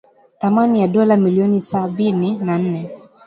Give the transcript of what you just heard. thamani ya dola milioni sabini na nne